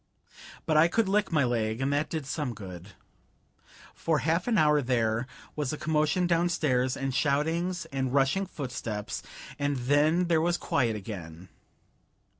But I could lick my leg, and that did some good. For half an hour there was a commotion downstairs, and shoutings, and rushing footsteps, and then there was quiet again.